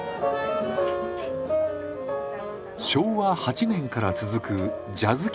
昭和８年から続くジャズ喫茶。